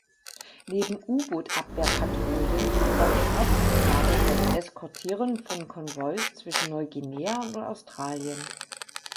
Neben U-Boot-Abwehr-Patrouillen war ihr Hauptaufgabe das Eskortieren von Konvois zwischen Neuguinea und Australien.